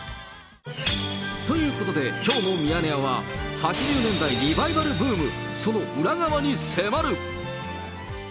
ということで、きょうのミヤネ屋は、８０年代リバイバルブーム、その裏側に迫る。